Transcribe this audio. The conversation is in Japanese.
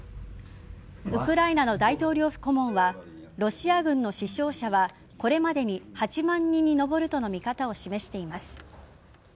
ウクライナの大統領府顧問はロシア軍の死傷者はこれまでに８万人に上るとの見方を示しています。